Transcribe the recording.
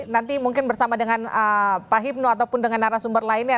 nanti mungkin bersama dengan pak hipno ataupun dengan narasumber lainnya